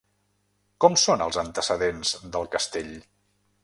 Com són els antecedents del castell?